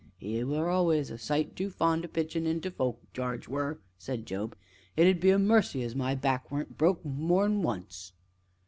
"'E were allus a sight too fond o' pitchin' into folk, Jarge were!" said Job; "it be a mercy as my back weren't broke more nor once."